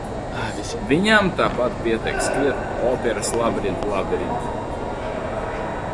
Viņām tāpat pietiek skriet pa operas labirintu labirintiem.